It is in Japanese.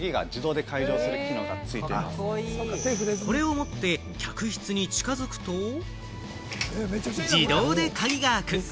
これを持って客室に近づくと、自動で鍵が開く。